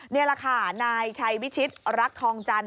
นี่แหละค่ะนายชัยวิชิตรักทองจันท